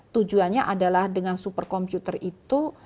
tujuannya adalah dengan super komputer itu